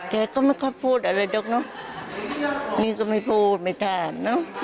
แกก็ไม่ค่อยพูดอะไรเดี๋ยวเนาะนี่ก็ไม่พูดไม่ทานเนาะ